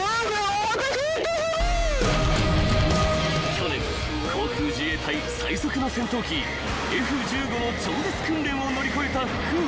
［去年航空自衛隊最速の戦闘機Ｆ−１５の超絶訓練を乗り越えた風磨］